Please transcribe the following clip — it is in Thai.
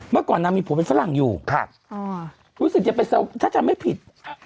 เมื่อก่อนนางมีผู้วัดฝรั่งอยู่ครับพูดถูกได้เป็นเสาถ้าจะไม่ผิด